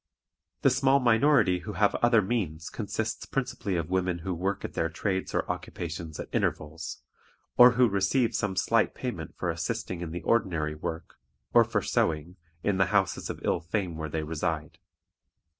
The small minority who have other means consists principally of women who work at their trades or occupations at intervals, or who receive some slight payment for assisting in the ordinary work, or for sewing, in the houses of ill fame where they reside.